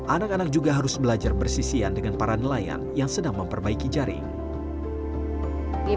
anak anak juga harus belajar bersisian dengan para nelayan yang sedang memperbaiki jaring